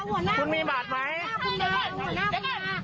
คุณมีบัตรไหมพี่เป็นตำรวจทำไมพี่ไม่พอบัตรค่ะ